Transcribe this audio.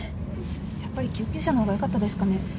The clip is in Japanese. やっぱり救急車の方がよかったですかね。